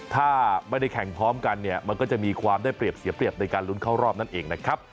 ถ้าไม่ได้แข่งพร้อมกันเนี่ยมันก็จะมีความได้เปรียบเสียเปรียบในการลุ้นเข้ารอบนั่นเองนะครับ